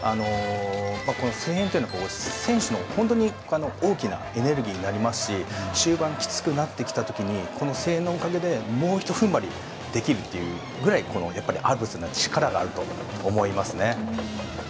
この声援というのは、選手の大きなエネルギーになりますし終盤、きつくなってきた時に声援のおかげでもうひと踏ん張りできるというぐらいやっぱりアルプスには力があると思いますね。